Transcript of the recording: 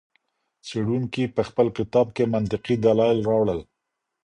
څېړونکي په خپل کتاب کې منطقي دلایل راوړل.